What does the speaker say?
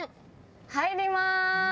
入りまーす。